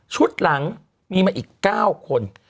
ชุดหลังมีอีก๙คน